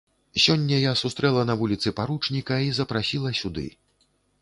Сёння я сустрэла на вуліцы паручніка і запрасіла сюды.